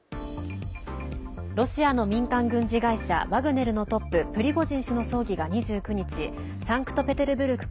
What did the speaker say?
ロシアの民間軍事会社ワグネルのトッププリゴジン氏の葬儀が２９日サンクトペテルブルク